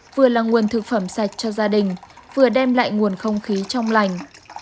vừa là nguồn thực phẩm sạch cho gia đình vừa đem lại nguồn không khí trong lành